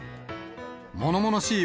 ものものしい